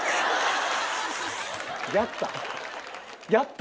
やった？